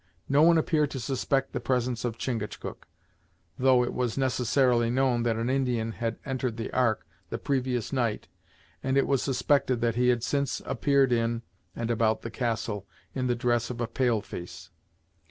No one appeared to suspect the presence of Chingachgook, though it was necessarily known that an Indian had entered the Ark the previous night, and it was suspected that he had since appeared in and about the castle in the dress of a pale face.